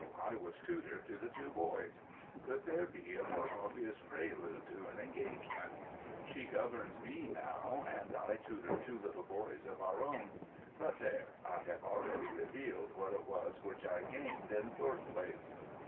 I was tutor to the two boys. Could there be a more obvious prelude to an engagement? She governs me now, and I tutor two little boys of our own. But, there—I have already revealed what it was which I gained in Thorpe Place!